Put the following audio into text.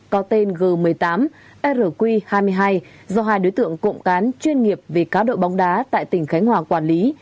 có tên g một mươi tám rq hai mươi hai do hai đối tượng cộng cán chuyên nghiệp về cá độ bóng đá tại tỉnh khánh hòa quản lý